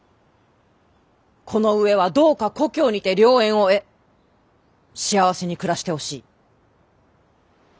この上はどうか故郷にて良縁を得幸せに暮らしてほしい。